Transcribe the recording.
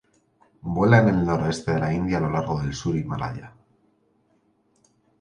Vuela en el noroeste de la India a lo largo del sur Himalaya.